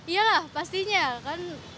yalah pastinya kan